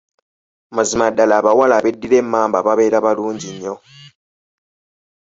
Mazima ddala abawala abeddira Emmamba babeera balungi nnyo.